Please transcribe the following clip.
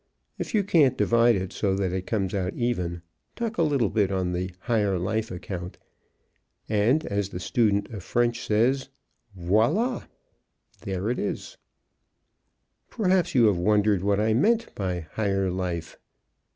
If you can't divide it so that it comes out even, tuck a little bit on the Higher Life account. And, as the student of French says," Voilà" (there it is)! Perhaps you have wondered what I meant by "Higher Life."